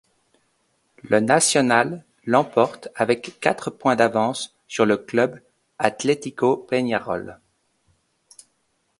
Le Nacional l’emporte avec quatre points d’avance sur le Club Atlético Peñarol.